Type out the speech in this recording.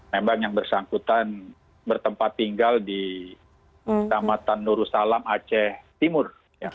memang yang bersangkutan bertempat tinggal di tamatan nurusalam aceh timur